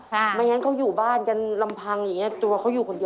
ค่ะไม่งั้นเขาอยู่บ้านกันลำพังอย่างนี้